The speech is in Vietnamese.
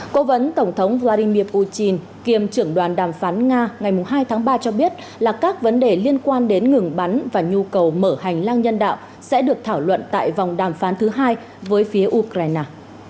cố vấn tổng thống vladimir putin kiêm trưởng đoàn đàm phán nga ngày hai tháng ba cho biết là các vấn đề liên quan đến ngừng bắn và nhu cầu mở hành lang nhân đạo sẽ được thảo luận tại vòng đàm phán thứ hai với phía ukraine